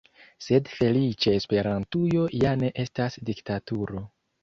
Sed feliĉe Esperantujo ja ne estas diktaturo.